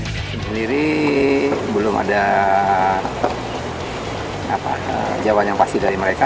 sendiri belum ada jawaban yang pasti dari mereka